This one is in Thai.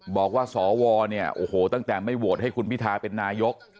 บอกว่าสวเนี่ยโอ้โหตั้งแต่ไม่โหวตให้คุณพิทาเป็นนายก